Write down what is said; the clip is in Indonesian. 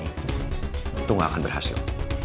itu gak akan berhasil